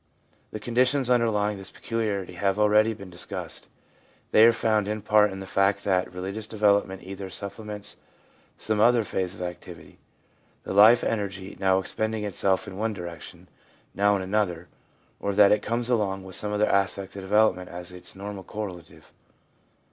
The con ditions underlying this peculiarity have already been discussed. They are found in part in the fact that the religious development either supplements some other phase of activity — the life energy now expending itself in one direction, now in another ; or that it comes along with some other aspect of development as its normal correlative.